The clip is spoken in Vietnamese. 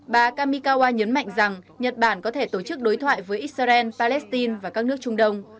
bà kamikawa nhấn mạnh rằng nhật bản có thể tổ chức đối thoại với israel palestine và các nước trung đông